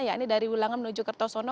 ya ini dari wilangan menuju kertosono